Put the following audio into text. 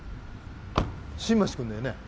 新町君だよね？